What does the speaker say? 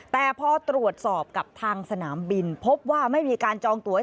แต่พอตรวจสอบกับทางสนามบินพบว่าไม่มีการจองตัว